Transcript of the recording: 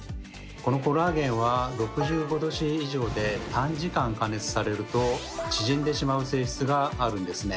このコラーゲンは６５℃以上で短時間加熱されると縮んでしまう性質があるんですね。